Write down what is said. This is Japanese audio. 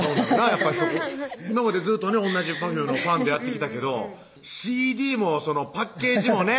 やっぱり今までずっと同じＰｅｒｆｕｍｅのファンでやってきたけどＣＤもパッケージもね